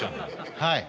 はい。